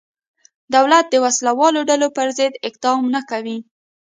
دولت د وسله والو ډلو پرضد اقدام نه کوي.